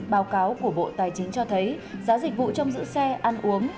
báo cáo của bộ tài chính cho thấy giá dịch vụ trong giữ xe ăn uống